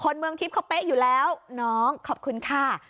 คนเมืองทิปเกาะเป๊กอยู่แล้วน้องขอบคุณค่า